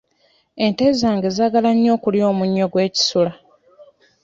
Ente zange zaagala nnyo okulya omunnyo gw'ekisula.